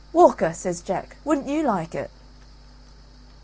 "Walker!" says Jack; "wouldn't you like it?"